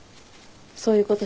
そういうこと